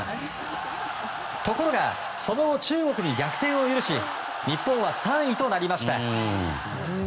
ところが、その後中国に逆転を許し日本は３位となりました。